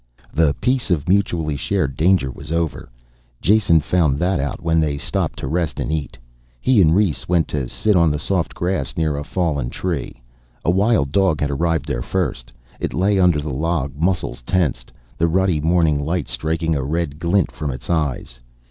The peace of mutually shared danger was over, Jason found that out when they stopped to rest and eat. He and Rhes went to sit on the soft grass, near a fallen tree. A wild dog had arrived there first. It lay under the log, muscles tensed, the ruddy morning light striking a red glint from its eyes.